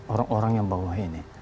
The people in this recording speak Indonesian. orang orang yang bawah ini